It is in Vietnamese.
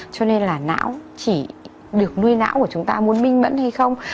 cho nên là não chỉ được nuôi não của chúng ta muốn minh mẫn hay không